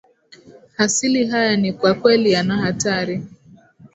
hasili haya ni kwa kweli yanahatari